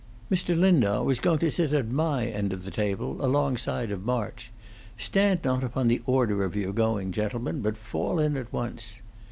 "Mr. Lindau is going to sit at my end of the table, alongside of March. Stand not upon the order of your going, gentlemen, but fall in at once."